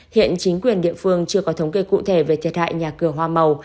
hiện chính quyền địa phương chưa có thống kê cụ thể về thiệt hại nhà cửa hoa màu